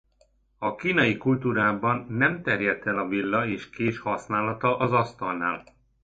A kínai kultúrában nem terjedt el a villa és kés használata az asztalnál.